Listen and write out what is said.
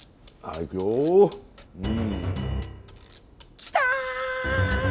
きた！